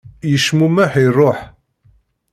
Yecmumeḥ, iruḥ.